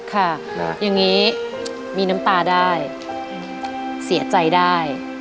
ค่ะอย่างนี้มีน้ำตาได้เสียใจได้